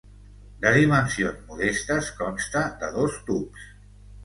De dimensions modestes, consta de dos tubs.